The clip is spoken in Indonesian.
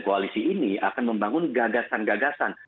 koalisi ini akan membangun gagasan gagasan